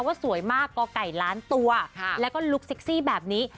สวยมากกไก่ล้านตัวแล้วก็ลุคเซ็กซี่แบบนี้